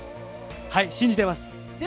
信じてます。